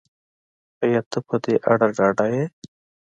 ایا ته په دې اړه ډاډه یې